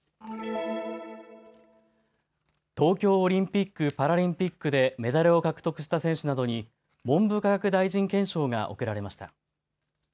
東京オリンピック・パラリンピックでメダルを獲得した選手などに文部科学大臣顕彰が贈られました。